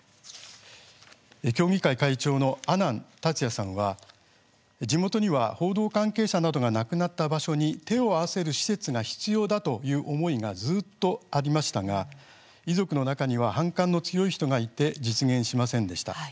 協議会会長の阿南達也さんは地元には報道関係者などが亡くなった場所に手を合わせる施設が必要だという思いがずっとありましたが遺族の中には反感が強い人がいて実現しませんでした。